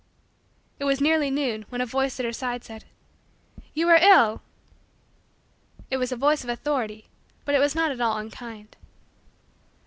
It was nearly noon when a voice at her side said: "You are ill!" It was a voice of authority but it was not at all unkind.